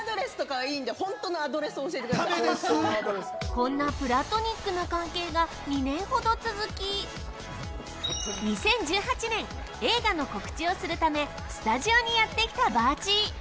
こんなプラトニックな関係が２年ほど続き、２０１８年、映画の告知をするため、スタジオにやってきたバーチー。